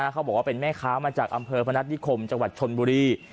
เขาบอกว่าเป็นแม่ค้ามาจากอำเภอพนัฐนิคมจังหวัดชนบุรี